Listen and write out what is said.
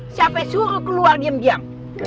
siapa yang suruh keluar diam diam